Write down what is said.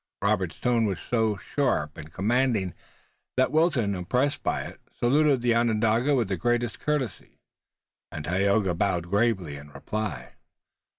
Robert's tone was so sharp and commanding that Wilton, impressed by it, saluted the Onondaga with the greatest courtesy, and Tayoga bowed gravely in reply.